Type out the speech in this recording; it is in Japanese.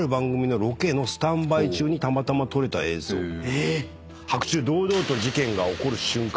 えっ⁉白昼堂々と事件が起こる瞬間